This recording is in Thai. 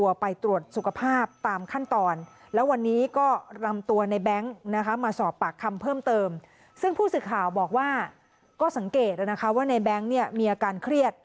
ว่าในแบงค์มีอาการเครียด